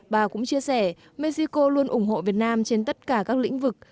bà cũng chia sẻ mexico luôn ủng hộ việt nam trên tất cả các lĩnh vực